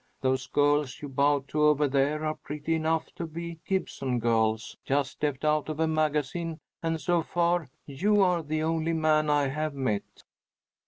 Those girls you bowed to over there are pretty enough to be Gibson girls, just stepped out of a magazine; and so far you are the only man I have met."